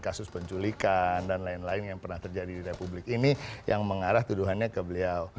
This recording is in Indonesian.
kasus penculikan dan lain lain yang pernah terjadi di republik ini yang mengarah tuduhannya ke beliau